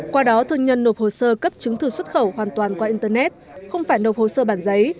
qua đó thương nhân nộp hồ sơ cấp chứng thư xuất khẩu hoàn toàn qua internet không phải nộp hồ sơ bản giấy